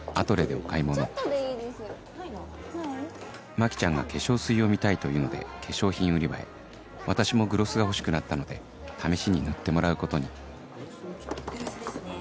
マキちゃんが「化粧水を見たい」と言うので化粧品売り場へ私もグロスが欲しくなったので試しに塗ってもらうことにグロスを。